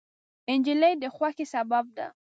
نجلۍ د خوښۍ سبب ده.